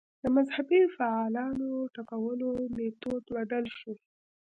د مذهبي فعالانو ټکولو میتود بدل شو